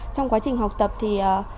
trong quá trình học tập thì